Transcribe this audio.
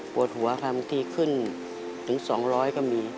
ปวดหัวทำทีขึ้นถึง๒๐๐ก็มี